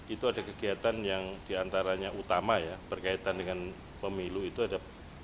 itu ada kegiatan yang diantaranya utama ya berkaitan dengan pemilu itu ada